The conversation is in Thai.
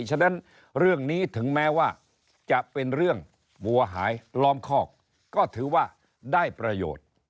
ฉะนั้นเรื่องนี้ถึงแม้ว่าจะเป็นเรื่องวัวหายล้อมคอกก็ถือว่าได้ประโยชน์